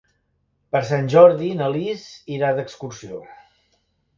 Per Sant Jordi na Lis irà d'excursió.